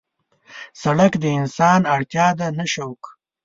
سړک د انسان اړتیا ده نه شوق.